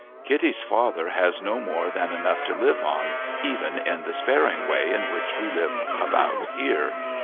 ' Kitty's father has no more than enough to live on, even in the sparing way in which we live about here.